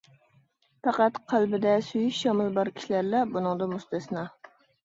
پەقەت قەلبىدە سۆيۈش شامىلى بار كىشىلەرلا بۇنىڭدىن مۇستەسنا.